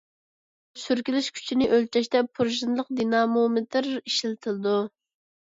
سۈركىلىش كۈچىنى ئۆلچەشتە پۇرژىنىلىق دىنامومېتىر ئىشلىتىلىدۇ.